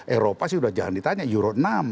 eropa sih udah jangan ditanya euro enam